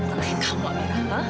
ya sudah lah amira